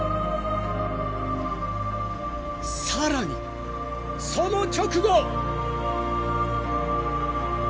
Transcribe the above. ［さらにその直後！］